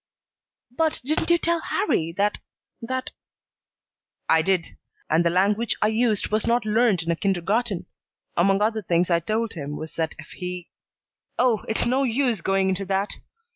"But didn't you tell Harrie that that " "I did. And the language I used was not learned in a kindergarten. Among other things I told him was that if he Oh, it's no use going into that.